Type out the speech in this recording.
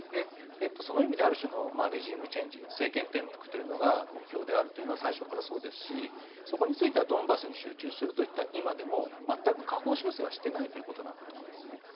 その意味である種のレジームチェンジ政権転覆というのが目標であるというのは最初からそうですしそこについてはドンバスに集中するといった今でも全く下方修正はしてないということだと思いますね。